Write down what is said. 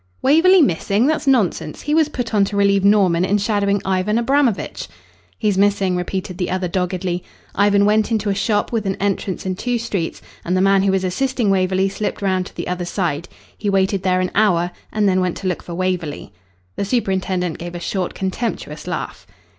"Waverley missing! That's nonsense. He was put on to relieve Norman in shadowing Ivan Abramovitch." "He's missing," repeated the other doggedly. "Ivan went into a shop with an entrance in two streets, and the man who was assisting Waverley slipped round to the other side. He waited there an hour, and then went to look for Waverley." The superintendent gave a short, contemptuous laugh.